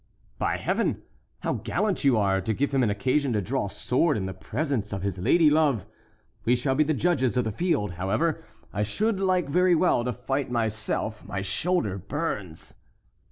"By Heaven! how gallant you are, to give him an occasion to draw sword in the presence of his lady love! We shall be the judges of the field. However, I should like very well to fight myself—my shoulder burns."